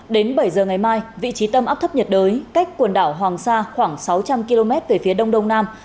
đến bảy giờ ngày mai vị trí tâm áp thấp nhiệt đới cách quần đảo hoàng sa khoảng sáu trăm linh km về phía đông đông nam